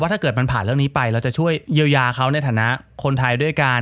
ถ้าเกิดมันผ่านเรื่องนี้ไปเราจะช่วยเยียวยาเขาในฐานะคนไทยด้วยกัน